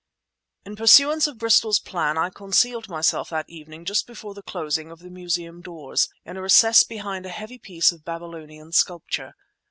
In pursuance of Bristol's plan, I concealed myself that evening just before the closing of the Museum doors, in a recess behind a heavy piece of Babylonian sculpture.